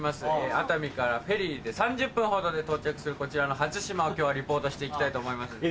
熱海からフェリーで３０分ほどで到着するこちらの初島を今日はリポートしていきたいと思います。